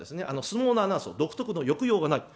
相撲のアナウンスの独特の抑揚がない。